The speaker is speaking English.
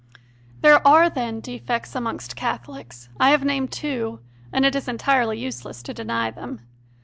There are, then, defects amongst Catholics I have named two and it is entirely useless to deny them.